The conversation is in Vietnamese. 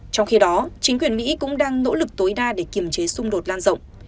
trong khi đó chính quyền mỹ cũng đang nỗ lực tối đa để kiềm chế xung đột lan rộng